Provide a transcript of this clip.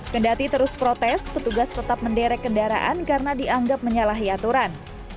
kendati terus protes petugas tetap menderek kendaraan karena dianggap menyalahi aturan